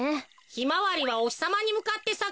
ひまわりはおひさまにむかってさくんだろ。